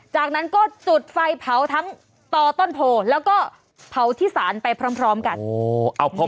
จากนั้นก็จุดไฟเผาทั้งต่อต้นโพแล้วก็เผาที่ศาลไปพร้อมกัน